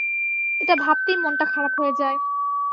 এটা ভাবতেই মনটা খারাপ হয়ে যায়।